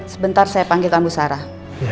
sebentar saya panggilkan bu sarah